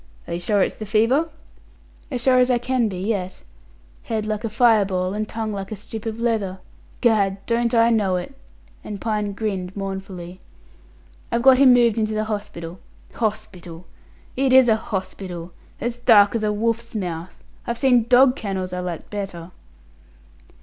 "Are you sure it's the fever?" "As sure as I can be yet. Head like a fire ball, and tongue like a strip of leather. Gad, don't I know it?" and Pine grinned mournfully. "I've got him moved into the hospital. Hospital! It is a hospital! As dark as a wolf's mouth. I've seen dog kennels I liked better."